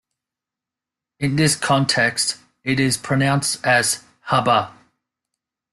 In this context, it is pronounced as "h-bar".